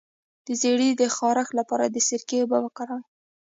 د زیړي د خارښ لپاره د سرکې اوبه وکاروئ